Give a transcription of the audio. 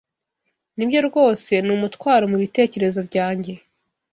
Nibyo rwose ni umutwaro mubitekerezo byanjye.